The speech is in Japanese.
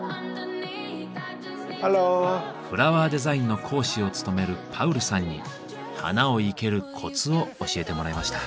フラワーデザインの講師を務めるパウルさんに花を生けるコツを教えてもらいました。